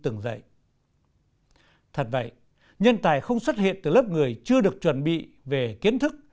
nhân tài không xuất hiện từ lớp người chưa được chuẩn bị về kiến thức